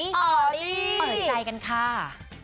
อ๋อลี่เปิดใจแก่ซะ